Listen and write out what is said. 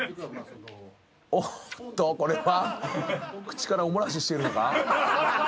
おっとこれは口からお漏らししてるのか？